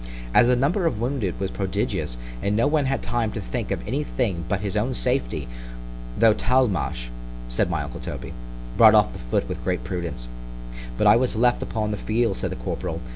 As the number of wounded was prodigious, and no one had time to think of any thing but his own safety—Though Talmash, said my uncle Toby, brought off the foot with great prudence——But I was left upon the field, said the corporal.